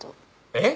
えっ？